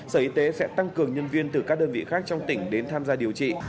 sở y tế sẽ tăng cường nhân viên từ các đơn vị khác trong tỉnh đến tham gia điều trị